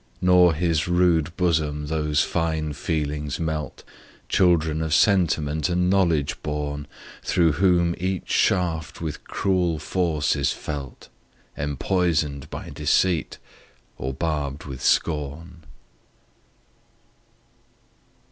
Nor his rude bosom those fine feelings melt, Children of Sentiment and Knowledge born, Through whom each shaft with cruel force is felt, Empoison'd by deceit or barb'd with scorn.